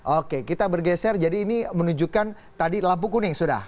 oke kita bergeser jadi ini menunjukkan tadi lampu kuning sudah